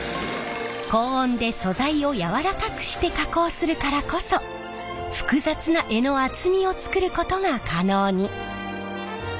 高温で素材を軟らかくして加工するからこそ複雑な柄の厚みを作ることが可能に。